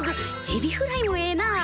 エビフライもええなあ。